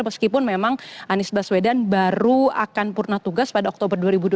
meskipun memang anies baswedan baru akan purna tugas pada oktober dua ribu dua puluh